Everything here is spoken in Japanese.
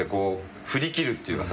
振り切るっていうかさ